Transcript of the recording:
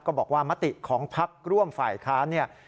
บอกว่ามติของพักร่วมฝ่ายค้านเนี่ย